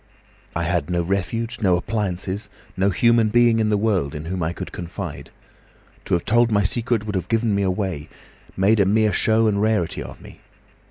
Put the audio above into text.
I had no refuge, no appliances, no human being in the world in whom I could confide. To have told my secret would have given me away—made a mere show and rarity of me.